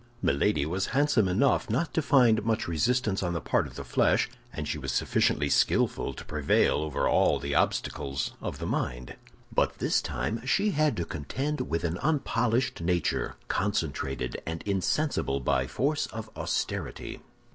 Milady was handsome enough not to find much resistance on the part of the flesh, and she was sufficiently skillful to prevail over all the obstacles of the mind. But this time she had to contend with an unpolished nature, concentrated and insensible by force of austerity.